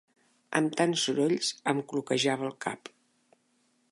Amb tants sorolls em cloquejava el cap.